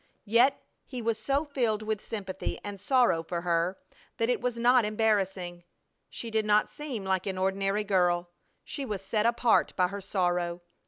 Yet he was so filled with sympathy and sorrow for her that it was not embarrassing. She did not seem like an ordinary girl. She was set apart by her sorrow.